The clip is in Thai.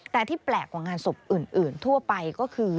แต่ที่แปลกกว่างานศพอื่นทั่วไปก็คือ